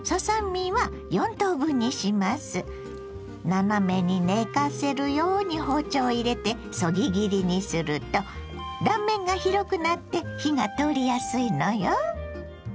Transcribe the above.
斜めに寝かせるように包丁を入れてそぎ切りにすると断面が広くなって火が通りやすいのよ。